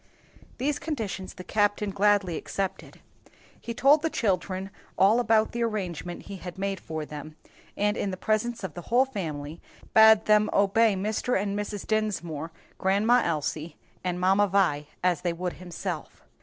These conditions the captain gladly accepted. He told the children all about the arrangement he had made for them, and in the presence of the whole family, bade them obey Mr. and Mrs. Dinsmore, Grandma Elsie and Mamma Vi as they would himself.